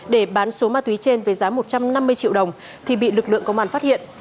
để bán số ma túy trên với giá một trăm năm mươi triệu đồng thì bị lực lượng công an phát hiện